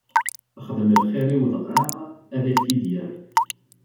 Xdem lxiṛ i udɣaɣ, ad k-t-id-yerr!